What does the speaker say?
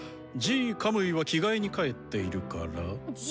Ｇ・カムイは着替えに帰っているから。